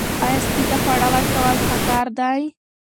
آیا سپي ته خواړه ورکول ښه کار دی؟